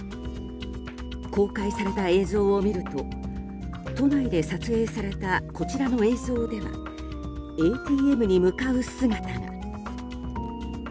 公開された映像を見ると都内で撮影されたこちらの映像ではＡＴＭに向かう姿が。